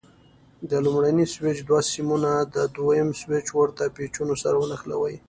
د لومړني سویچ دوه سیمونه د دوه یم سویچ ورته پېچونو سره ونښلوئ.